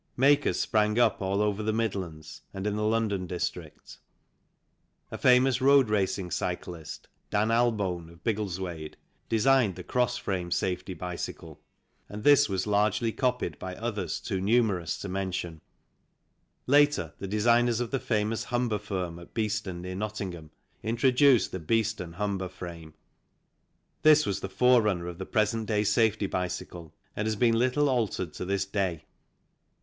Makers sprang up all over the Midlands and in the London district. A famous road racing cyclist, Dan Albone of Biggleswade, designed the cross frame safety bicycle, and this was largely copied by others too numerous to mention. FIG. 9 THE RALEIGH CYCLE CO/S DIAMOND FRAMED BICYCLE Later the designers of the famous Humber firm at Beeston, near Nottingham, introduced the Beeston Humber frame. This was the forerunner of the present day safety bicycle and has been little altered to this day.